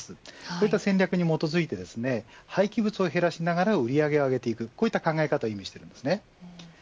こういった戦略に基づいて廃棄物を減らしながら売り上げを上げていくこういう考え方をしています。